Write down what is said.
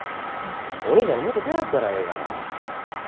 お兄ちゃんにもっと頼ったらええがな。